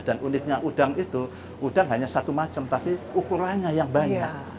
dan uniknya udang itu udang hanya satu macam tapi ukurannya yang banyak